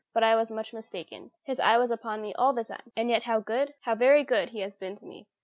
But I was much mistaken. His eye was upon me all the time. And yet how good, how very good, He has been to me!